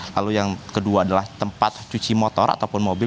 lalu yang kedua adalah tempat cuci motor ataupun mobil